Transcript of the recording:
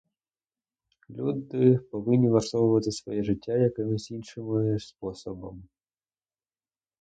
Люди повинні влаштувати своє життя якимсь іншим способом.